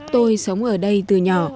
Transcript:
tôi sống ở đây từ nhỏ